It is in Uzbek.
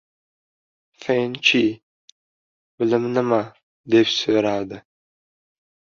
Fan Chi: — Bilim nima, deb so‘radi.